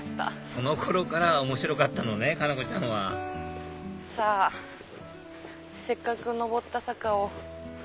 その頃から面白かったのね佳菜子ちゃんはさぁせっかく上った坂を。